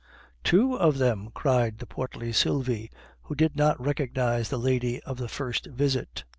"Two of them!" cried the portly Sylvie, who did not recognize the lady of the first visit.